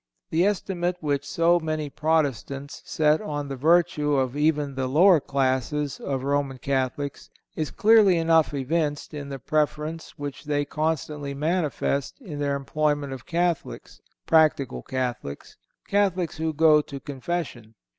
The estimate which so many Protestants set on the virtue of even the lower classes of Roman Catholics is clearly enough evinced in the preference which they constantly manifest in their employment of Catholics—practical Catholics—Catholics who go to confession.